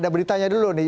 ada beritanya dulu nih